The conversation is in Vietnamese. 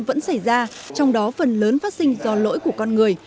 vẫn xảy ra trong đó phần lớn phát sinh do lỗi của con người